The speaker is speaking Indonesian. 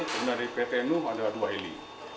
kemudian dari pt num ada dua heli